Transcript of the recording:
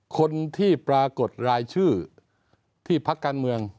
คนที่ปรากฏรายชื่อที่พักการเมือง